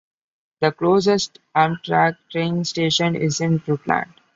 The closest Amtrak train station is in Rutland.